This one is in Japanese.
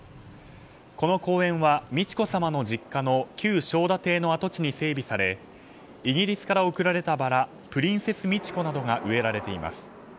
この公園は美智子さまの実家の旧正田邸の跡地に整備されイギリスから贈られたバラプリンセス・ミチコなどが植えられています。